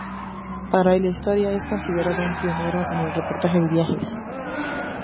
Para la historia es considerado un pionero en el reportaje de viajes.